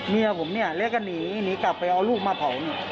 เมียผมเรียกกันหนีหนีกลับไปเอาลูกมาเผา